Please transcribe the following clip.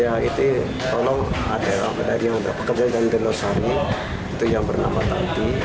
ya itu tolong ada yang berkejadian dinosauri itu yang bernama tardi